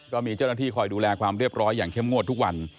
ก็มีเจ้าหน้าที่คอยดูแลความเรียบร้อยอย่างเข้มงวดทุกวัน